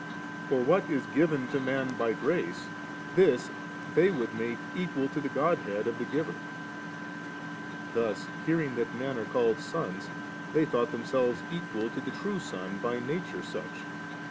For what is given to man by grace, this they would make equal to the God head of the Giver. Thus hearing that men are called sons, they thought themselves equal to the True Son by nature such i.